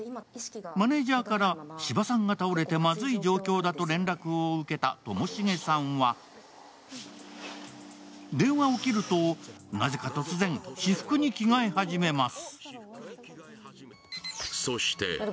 マネージャーから芝さんが倒れてまずい状況だと連絡を受けたともしげさんは電話を切ると、なぜか突然私服に着替え始めます。